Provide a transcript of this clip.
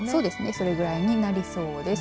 それぐらいになりそうです。